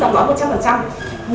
thì nó rất thiếu về trang phương bị y tế